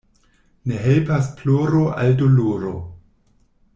Ne helpas ploro al doloro.